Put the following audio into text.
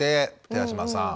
寺島さん。